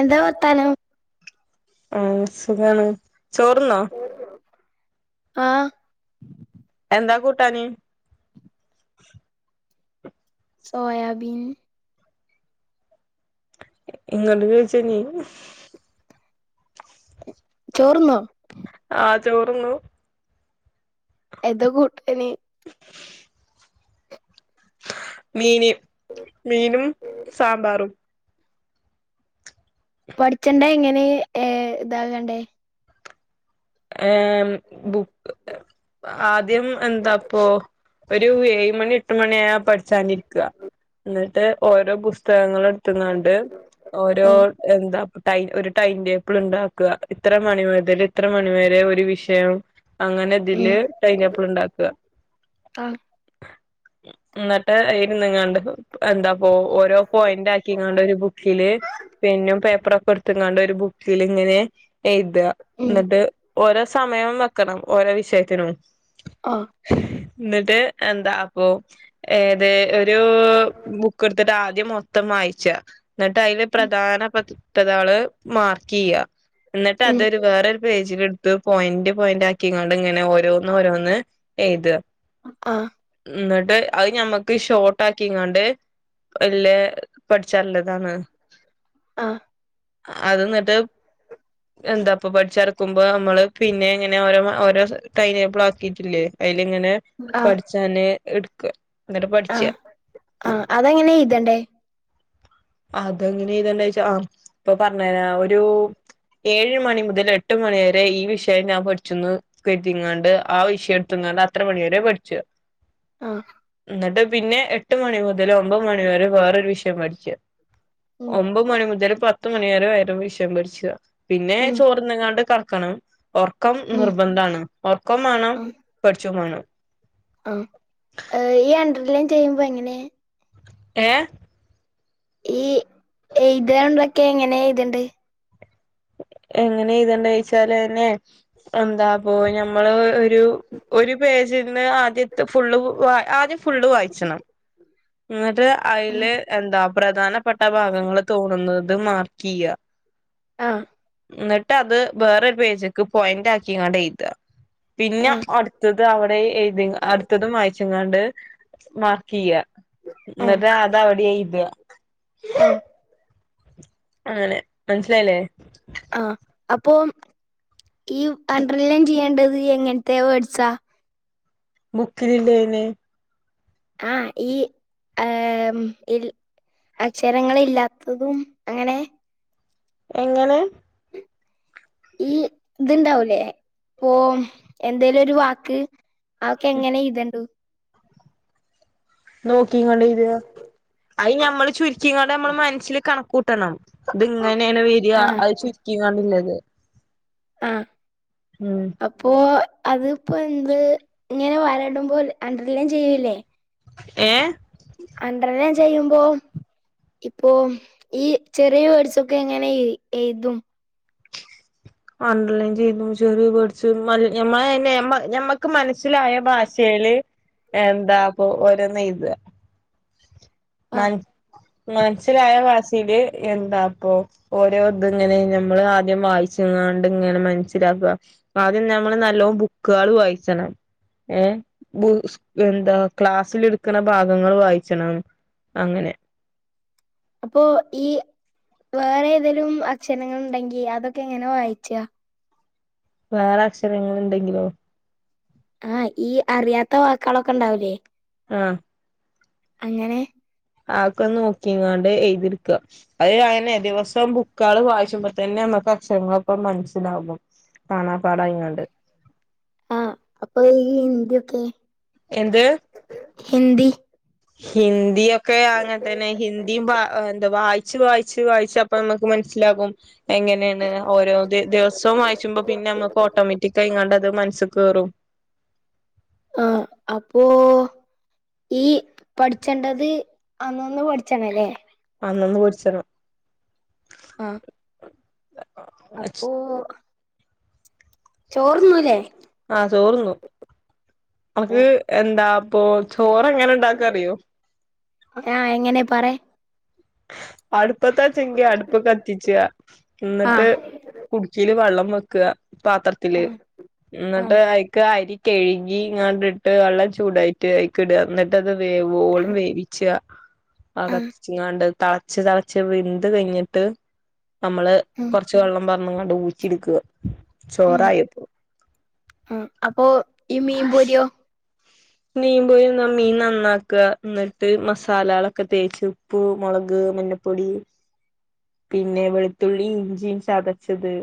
എന്താ വർത്താനം ആഹ് സുഖാണ് ചോറ്ന്നോ ആഹ് എന്താ കൂട്ടാൻ സോയാബീൻ. ഇങ്ങോട്ട കഴിച്ചനീ ചോർന്നോ? ആ ചോറി ന്നു. എന്ത കൂട്ടാൻ? ആഹ മീനും സാമ്പാറും. പഠിച്ചണ്ട എങ്ങനെ ഏ ഇതാകണ്ടേ ഏ ആദ്യം എന്താപ്പൊ ഒരു ഏഴ് മണി എട്ട് മണിയായ പഠിച്ചാനിരിക്കുക എന്നിട്ട് ഓരോ പുസ്തകങ്ങളും. ത്തുന്നുണ്ട് ഓരോ ഉം എന്താ ഒരു ടൈം ടേപ്പിൾ ഉണ്ടാക്കുക ഇത്ര മണി മുതൽ ഇത്ര മണി വരെ ഒരു വിഷയം. അങ്ങനെ ഇതിൽ ഉം ടൈംൻ്റെബിൾ ഉണ്ടാക്കുക. ആഹ് എന്നിട്ട് ഇരുന്നുങ്ങാണ്ട് എന്താപ്പ ഓരോ പോയിന്റ് ആക്കി ഇങ്ങണ്ട് ഒരു ബുക്കില് പിന്നും പേപ്പറോ ക്കെ ഒരു ബുക്കിൽ ഇങ്ങനെ എഴുത ഉം എന്നിട്ട് ഓരോ സമയം വെക്കണം ഓരോ വിഷയത്തിനും. ആ എന്നിട്ട് എന്താ അപ്പൊ ഏത് ഒരു ബുക്കെടുത്തിട്ട് ആദ്യം മൊത്തം വായിച്ച എന്നിട്ട് അതില് പ്രധാന പതങ്ങള് മാർക്കെയ്യ എന്നിട്ട് ഉം അതൊരു വേറെരു പേജില എടുത്ത് പോയിന്റ് പോയിന്റ് ആക്കിങ്ങണ്ട് ഇങ്ങനെ ഓരോന്ന് ഓരോന്ന് എഴുത ആ ന്നിട്ട് അയ് ഞമ്മക്ക് ഷോട്ട് ആക്കിക്കാണ്ട് വല്ലേ പഠിച്ചാൻ ള്ളതാണ് ആഹ് അത് എന്നിട്ട് എന്താപ്പൊ പഠിച്ചിറക്കുമ്പോ നമ്മള് പിന്നെങ്ങനെ ഓരോ ടൈംടേബിൾ ആക്കിട്ടില്ലേ അതി ഇങ്ങനെ ആഹ് തനിയെ എടുക്ക എന്നിട്ട് പഠിച്ച ആ അതെങ്ങനെയ എയ്തേണ്ടേ അതെങ്ങനെ ഇതെന്താച്ചാ ആ ഇപ്പൊ പറഞ്ഞര ഒരു ഏഴ് മണി മുതൽ എട്ട് മണി വരെ ഈ വിഷയം ഞാൻ പഠിച്ചുന്നു കറ്റിങ്ങാണ്ട് ആ വിഷയം എടുത്തങ്ങാണ്ട് അത്ര മണിയ വരെ പഠിച്ചു ആഹ് എന്നിട്ട് പിന്നെ എട്ട് മണി മുതൽ ഒമ്പത് മണി വരെ വേറരു വിഷയം പഠിക്കുക. ഉം ഒമ്പ് മണി മുതൽ പത്ത് മണി വരെ ഒരു വിഷയം പഠിച്ച. പിന്നെ ഉം ചോറിന്ന്ങ്ങാണ്ട് കടക്കണം ഒർക്കം ഉം നിർബന്ധമാണ്. ഉറക്കം വേണം പഠിച്ചും വേണം. ആ ഈ അണ്ടർ ലൈൻ ചെയ്യുമ്പോ എങ്ങനെ ഏഹ് ഈ എഴുതാൻ ഉള്ളദോക്കെ എങ്ങനെ എഴുതണ്ടേ? എങ്ങനെ എഴുത്ത്ണ്ടേ ചോയ്ചാൽന്നെ എന്താ പോ ഞമ്മള് ഒരു ഒരു പേജിന്ന് ആദ്യത്തെ ഫുള്ള് ആദ്യം ഫുള്ള് വായിച്ചണം. ന്നിട്ട് ഉം അയില് എന്താ പ്രധാനപ്പെട്ട ഭാഗങ്ങൾ തോന്നുന്നത് മാർക്ക്യ ആഹ് ന്നിട്ട് അത് വേറരു പേജ്ക്ക് പോയിന്റ് ആക്കിങ്ങാണ്ട് എഴുത പിന്നെ ആഹ് അടുത്തത് അത് അവിടെ എഴുതി അടുത്തതും വായിച്ങ്ങാണ്ട് മാർക്ക് ചെയ്യ ആഹ് ന്നട്ട് അതാവടെ എഴുത ആഹ് അങ്ങനെ മനസ്സിലായില്ലേ ആ അപ്പൊ ഈ അണ്ടർലൈ ചെയ്യേണ്ടത് എങ്ങനത്തെ വേർഡ്സാ ബൂക്കിലില്ലേന്നെ ആഹ് ഈ ആഹ് ഇൽ അക്ഷരങ്ങളില്ലാത്തതും അങ്ങനെ എങ്ങനെ ഈ ഇത്ണ്ടാവൂലേ പ്പൊ എന്തേലും ഒരു വാക്ക് അവക്കെ എങ്ങനെ എയ്തണ്ടോ നോക്കിങ്ങാണ്ട് എയ്ദ അയ് ഞമ്മള് ചുരുക്കിങാണ്ട് നമ്മൾ മനസ്സിൽ കണക്കൂട്ടണം ത്ങ്ങനെണ് വര ആഹ് അത് ചുരുക്കിക്കാണ്ട് ള്ളതു ആഹ് ഉം അപ്പോ അതിപ്പോ എന്ത് ഇങ്ങനെ വരടുമ്പോ അണ്ടർലൈൻ ചെയ്യൂല്ലേ ഏ അണ്ടര് ലൈൻ ചെയ്യുമ്പോ ഇപ്പോ ഈ ചെറിയ വേഡ്സൊക്കെ എങ്ങനെ എഴുതും അണ്ടർലൈൻ ചെയ്ത ചെറിയ വേഡ്സ് ഞമ്മക്ക് മനസ്സിലായ ഭാഷയില് എന്താ പ്പൊ ഓരോന്നയ്ത മ ആഹ് മനസ്സിലായ ഭാഷയില് എന്താപ്പൊ ഓരോ ഇത് ഇങ്ങനെ നമ്മള് ആദ്യം വായി ച്കാണ്ട് ഇങ്ങനെ മനസ്സിലാക്ക ആദ്യം നമ്മള് നല്ലോം ബുക്കുകൾ വായിച്ചണം ഏ എന്താ ക്ലാസ്സ്ൽ ഇട്ക്ണ ഭാഗങ്ങൾ വായിച്ചണം അങ്ങനെ അപ്പോ ഈ വേറെ ഏതെലും അക്ഷരങ്ങൾ ഉണ്ടെങ്കി അതൊക്കെ എങ്ങനെ വായിച്ച വേറെ അക്ഷരങ്ങൾ ഇണ്ടെങ്കിലോ ആഹ് ഈ അറിയാത്ത വാക്കളൊക്കെ ഇണ്ടാവുലേ ആഹ് അങ്ങനെ ആകൊന്ന് നോക്കിങ്ങാണ്ട് എഴുതിട്ക്ക അത് അങ്ങനെ ദിവസം ബുക്കുകൾ വായിച്ച്മ്പോ തന്നെ നമ്മക്ക് അക്ഷങ്ങളൊക്കെ മനസ്സിലാവും കാണാ പാടായിങാണ്ട് ആഹ് അപ്പൊ ഈ ഹിന്ത്യക്കെ എന്ത് ഹിന്ദി ഹിന്ദിയ ഒക്കെ അങ്ങനെ തന്നെ ഹിന്ദിയുംഎന്തുവാ വായി [unintelligible] വായിച്ച് വായിച്ച് വായിച്ച് അപ്പ നമുക്ക് മനസ്സിലാകും എങ്ങനെയാണ് ഓരോ ദ ദിവസവും വായിച്ചുമ്പോ പിന്നെ നമുക്ക് ഓട്ടോമാറ്റിക്കായി ഇങ്ങണ്ടത് മനസ്സിൽ കേറും ആഹ അപ്പോ ഈ പഠിച്ചേണ്ടത് അന്നൊന്ന് പഠിച്ചണ അല്ലേ അന്നന്ന് പഠിചണം ആഹ അപ്പോ ചോർന്നുല്ലേ അനക്ക് എന്താ അപ്പൊ ചോറ് എങ്ങനെ ഉണ്ടാക്ക അറിയോ ആഹ എങ്ങനെ പറെ അടുപ്പത്തച്ചെങ്കി അടുപ്പ് കത്തിച്ച് എന്നിട്ട് ആഹ് കുട് ഇച്ചിരി വെള്ളം വെക്കുക പാത്രത്തില് എന്നിട്ട് ആഹ് അയ്ക്ക് അരി കെഴുകി ഇങ്ങാണ്ടിട്ട് വെള്ളം ചൂടായിട്ട് അയിക്ക ഇടുക എന്നി ഇത് വേവോളും വേവിച്ച ആ ആഹ് കത്തിച്ചങ്ങാണ്ട് തളച്ച് തളച്ച് വിന്ത് കഴിഞ്ഞിട്ട് നമ്മള് ഉം കുറച്ച് കുച്ച് വെള്ളം പറന്ങണ്ട് ഊറ്റി എടുക്കുക. ചോറായിഅപ്പോ ആഹ അപ്പൊ ഈ മീൻപൊരിയോ മീൻ പോയി മീൻ നന്നാക്ക എന്നിട്ട് മസാലകളൊക്കെ തേച്ചു ഉപ്പൂ, മുളക്, മഞ്ഞപ്പൊടി, പിന്നെ വെളുത്തുള്ളി, ഇഞ്ചിയും, ചതച്ചത്.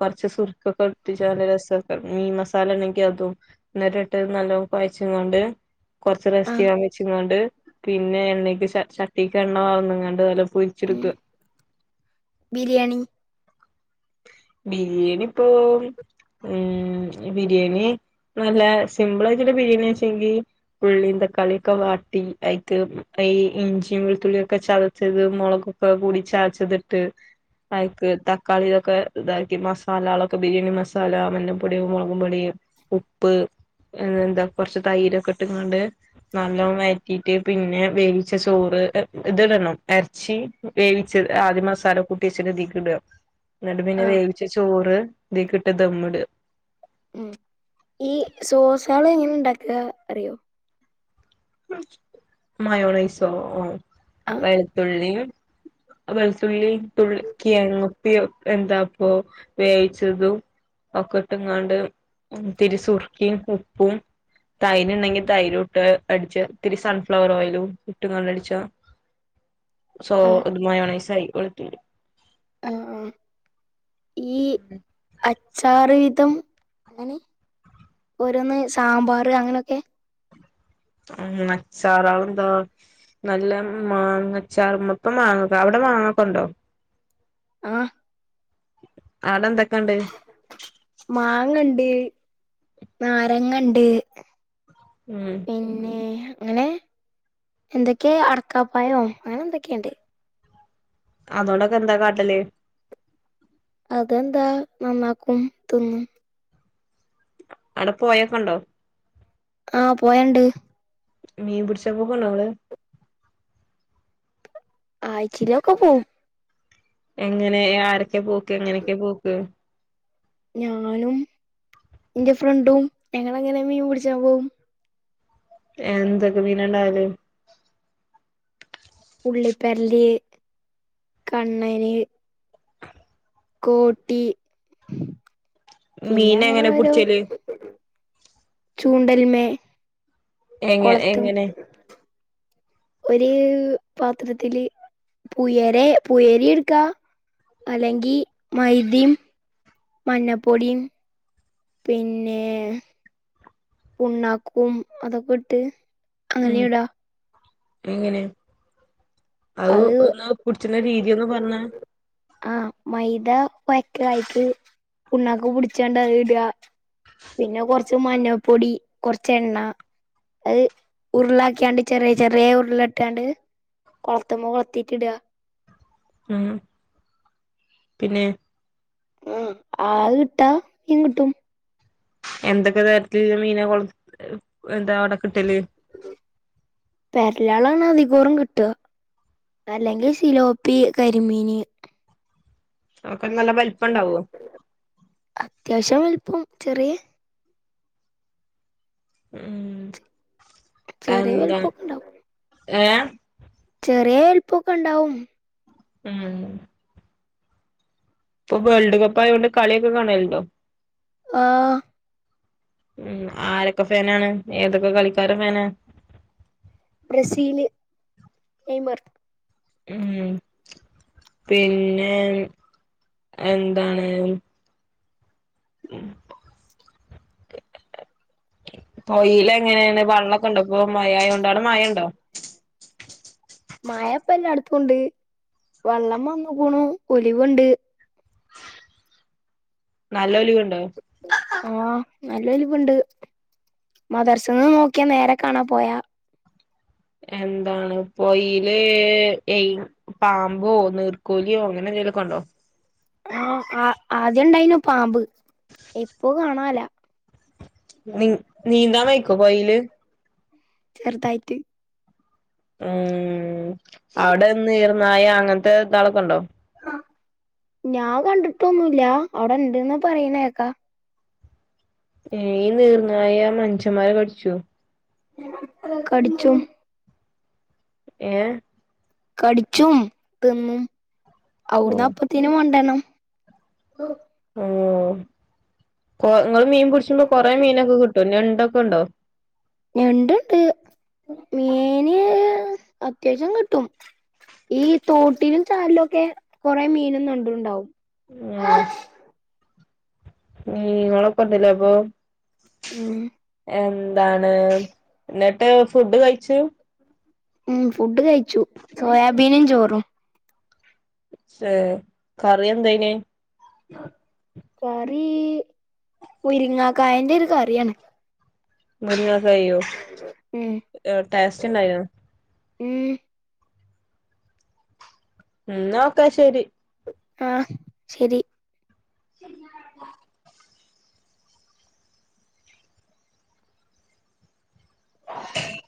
കുറച്ച് സുരുക ക്കൊക്കെ ഉററിചാട് രസക്ക മീൻ മസാല ഉണെങ്കിൽ അതും. എന്നിട്ട് ഇട്ട് നല്ല കൊയച് ങ്ങണ്ട് കൊറച്ച് റസ്റ്റ് ആഹ് ചെയ്യാൻ വെച്ചെങ്ങാണ്ട്. പിന്നെ എണ്ണയ്ക്ക് ചട്ടിക്ക് എണ്ണ പർന്ന്ങ്ങാണ്ട് നല്ല ഉം പൊരിച്ചെടുക്ക. ബിരിയാണി. ബിരിയാണിപ്പോ ഉം ബിരിയാണി. നല്ല സിമ്പിൾ ആയിട്ടുള്ള ബിരിയാണി വച്ചെങ്കി. ഉള്ളിയും തക്കാളിയൊക്കെ വാട്ടി അയിക് ഈ ഇഞ്ചിയും വെളുത്തുള്ളിഒക്കെ ചതച്ചത് മുളകും. [unintelligible] കൂടി ചതച്ചതിട്ട് അക്ക് തക്കാളി കെ ഇതാക്കി മസാലകളൊക്കെ ബിരിയാണി മസാല, മഞ്ഞപ്പൊടി, മുളകുപൊടി, ഉപ്പ്. പിന്നെന്താ കൊറച്ച് തൈരൊക്കെ ഇട്ട്ങ്ങാണ്ട്. നല്ലോണം വറ്റിയിട്ട് പിന്നെ വേവിച്ച ചോറ് ഇത് ഇടണം ഇറച്ചി വേവിച്ചത് ആദ്യ മസാല കൂട്ടിയച്ചത് ഇതിക്കിടുക എന്നിട്ട് പിന്നെ ആഹ് വേവിച്ച ചോറ് ഇതികിട്ട് ദം ഇടുക. ഉം ഈ സോസ്കള് എങ്ങനെണ്ടാക്കുക. അറിയോ? മയോറൈസോ, ആഹ് വെളുത്തുള്ളി വെളുത്തുള്ളി തുള്ളി അങ്ങപ്പി [unintelligible] എന്താ പോ വേവിച്ചതും ഒക്കെ ഇട്ട് ഇങ്ങാണ്ട്. ഇതിരി സുറുക്കിം ഉപ്പും. തൈര് ഉണ്ടെങ്കിൽ തൈരൂട്ട്. അടിച്ച ഇത്തിരി സൺഫ്ലവർ ഓയിലും. ഉപ്പും കൂടി ഇട്ങട് അടിച്ച. സോ ആഹ് മയോണയിസയി വെളുത്തുള്ളി. ആ ആ ഈ അച്ചാറ് തും അങ്ങനെ ഓരോന്ന് സാമ്പാർ അങ്ങനെയൊക്കെ. അച്ചാർ [unintelligible] നല്ല മാങ്ങ ചറ് മ്മപ്പ മാങ്ങക്ക അവിടെ മാങ്ങക്കണ്ടോ? ആഹ് അവിടെ എന്തൊക്കെയുണ്ട്. മാങ്ങണ്ട്, നാരങ്ങണ്ട്. ഉം പിന്നെ അങ്ങനെ എന്തൊക്കെയ അടക്കാപ്പായോ അങ്ങനെ എന്തൊക്കെയുണ്ട്. അതോണ്ടൊക്കെ എന്താ കാട്ടല്? അതെന്താ നന്നാക്കും തീനും. അവിടെ പോഴ ക്കെണ്ടോ? ആഹ് പോഴണ്ട്. മീൻമ്പിടിച്ചാ പോ [unintelligible] ആയിച്ചീലൊക്കെ പോകും. എങ്ങനെ? ആരൊക്കെ പോക്ക് എങ്ങനെയൊക്കെ പോക്ക്? ഞാനും ഇന്റെ ഫ്രണ്ടും ഞങ്ങളങ്ങനെ മീൻപിടിച്ചാൻ പോവും. എന്തൊക്കെ മീനണ്ടാവല്? പുള്ളിപേര്ല്, കണ്ണന്. കോട്ടി, പിന്നെ മീൻ അങ്ങനെ എങ്ങനെ ഒരോ പുടിച്ചല് ചൂണ്ടൽമ്മേ. എങ്ങ എങ്ങനെ? ഒരു പാത്രത്തില് പുയരെ പുയരീംട്ക്കാം. അല്ലെങ്കിൽ മൈദിം, മഞ്ഞപ്പൊടിം. പിന്നെ പുണ്ണാക്കും അതൊക്കെ ഇട്ട് അങ്ങനെ ഉം ഇടാ എങ്ങനെ? അത് ഒന്ന് പിടിച്ചുന്ന രീതിയൊന്ന് പറഞ്ഞ ആഹ് മൈദ കൊയ്ക്ക അയ്ക്ക് പുണ്ണക്ക് പുടിച്ചാണ്ട് അത് ഇടാ. പിന്നെ കൊറച് മഞ്ഞപ്പൊടി കൊറച് എണ്ണ അത് ഉരുളാക്കിയാണ്ട് ചെറിയ ചെറിയ ഉർളയിട്ടാണ്ട് കൊളത്ത്മ്മേ കൊളത്തീട്ട് ഇടാ. ഉം പിന്നെ? ആഹ് ആത് കിട്ടാ മീൻകിട്ടും. എന്തൊക്കെ തരത്തില് മീന കൊള് എന്താ അവടെ കിട്ടല്? പെരലാളാണ് അധികേറും കിട്ടാ. അല്ലെങ്കിൽ സിലോപ്പി കരിമീന് അതൊക്ക നല്ല വലിപ്പം ഉണ്ടാവോ? അത്യാവശ്യം വലുപ്പം ചെറിയ ഉം ചെറിയ എന്താ വലുപ്പൊക്കെ ഉണ്ടാവും ഏഹ് ചെറിയ വലുപോക്ക ഇണ്ടാവും. ഉം ഇപ്പൊ വേൾഡ് കപ്പ് ആയോണ്ട് കളിയൊക്കെ കാണാലോൻഡോ ആഹ് ഉം ആരൊക്കെ ഫേനാണ് ഏതൊക്കെ കളിക്കാരെ ഫാൻആ ബ്രസീല് നെയ്മർ ഉം പിന്നെ എന്താണ്? ഉം പോയീലെങ്ങനെണ് വള്ളൊക്കെണ്ടോ ഇപ്പൊ മഴആയോണ്ട് അവടെ മയണ്ടോ? മഴപ്പോ എല്ലാട്ത്തുണ്ട് വള്ളം വന്നുക്കുണു ഓലിവ്ണ്ട്. നല്ല ഒലിവ്ണ്ടോ? ആഹ് നല്ല ഒലിവ്ണ്ട് മാധറുസന്ന് നോക്കിയാ നേരെ കാണാ പൊയ. എന്താണ് പൊയില് എയ് പാമ്പോ നീർക്കോലിയോ അങ്ങനെ എന്തെലൊക്കെ ഇണ്ടോ? ആഹ് അ ആദ്യണ്ടായിനു പാമ്പ് ഇപ്പോ കാണാല്ല. നീ നീന്താൻ വെയ്ക്കോ പൊയീല്? ചെർതായിറ്റ്. ഉം അവിടെ നീർന്നായ അങ്ങനത്തെ ഇതാളൊക്കെണ്ടോ? ഞാ കണ്ടിട്ടൊന്നുല്ല അവിടെണ്ടന്ന് പറയണേക്കാ ഏ നീർന്നായ മനുഷ്യമാരെ കടിച്ചു കടിച്ചും ഏ കടിച്ചും തിന്നും ഓ അവിടുന്ന് അപ്പത്തിനും കൊണ്ടണം ഓ നിങ്ങൾ മീൻ പിടിച്ചുമ്പോ കൊറെേ മീനൊക്കെ കിട്ടും ഞണ്ടൊക്കെ ഉണ്ടോ ഞണ്ടുണ്ട് [inaudible] [unintelligible] അത്യാവശ്യം കിട്ടും ഈ തോട്ടിലും ചാലിലുംഒക്കെ കൊറെ മീനും ഞണ്ടുണ്ടാാവും ഉം മ ഉളപ്പൊന്നില്ല അപ്പൊ ഉം എന്താണ് എന്നിട്ട് ഫുഡ് കഴിച്ചു ഉം ഫുഡ് കഴിച്ചു സോയാബീനും ചോറും കറി എന്തേന് കറി മുരിങ്ങാക്കായന്റെ ഒരു കറിയാണ് മുരിങ്ങക്കായോ ഉം ടാസ്റ്റ് ഉണ്ടായിനോ ഉം ന്നാ ഓക്കെ ശെരി ആഹ് ശരി [inaudible] [unintelligible]